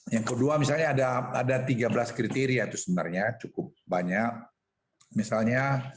yang kedua misalnya ada tiga belas kriteria itu sebenarnya cukup banyak misalnya